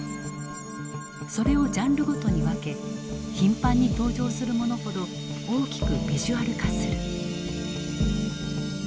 それをジャンルごとに分け頻繁に登場するものほど大きくビジュアル化する。